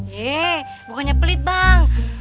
yee bukannya pelit bang